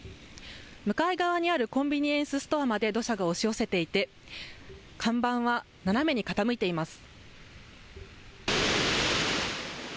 向かい側にあるコンビニエンスストアまで土砂が押し寄せていて看板は斜めに傾いています。